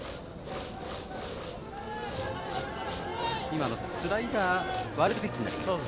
今のスライダーワイルドピッチになりました。